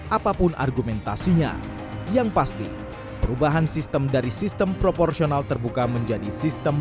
apapun argumentasinya yang pasti perubahan sistem dari sistem proporsional terbuka menjadi sistem